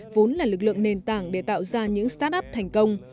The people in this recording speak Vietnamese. vốn là lực lượng nền tảng để tạo ra những start up thành công